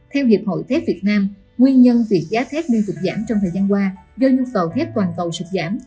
theo hiệp hội thép việt nam nguyên nhân việc giá thép bị sụt giảm trong thời gian qua do nhu cầu thép toàn cầu sụt giảm